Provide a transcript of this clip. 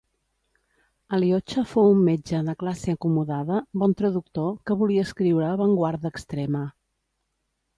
Aliocha fou un metge de classe acomodada, bon traductor, que volia escriure avantguarda extrema.